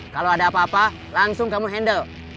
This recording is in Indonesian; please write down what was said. kalau ada apa apa langsung kamu handle